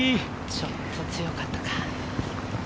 ちょっと強かったか。